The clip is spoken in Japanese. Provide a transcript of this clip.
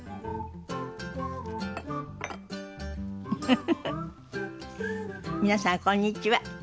フフフフ皆さんこんにちは。